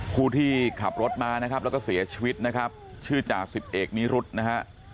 ผู้ที่ขับรถมานะครับแล้วก็เสียชีวิตนะครับชื่อจ่าสิบเอกนิรุธนะฮะ